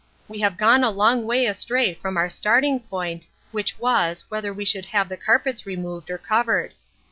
We have gone a long way astray from our starting point, which was, whether we should have the carpets removed or covered.